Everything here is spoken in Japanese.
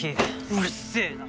うるせえな！